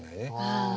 ああ